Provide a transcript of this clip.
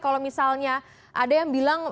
kalau misalnya ada yang bilang